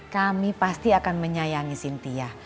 kami pasti akan menyayangi sintia